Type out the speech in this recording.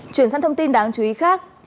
chuyển sang thông tin đáng chú ý khác